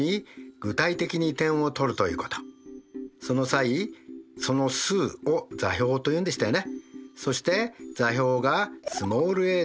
その際その数を座標というんでしたよね。